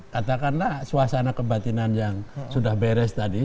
katakanlah suasana kebatinan yang sudah beres tadi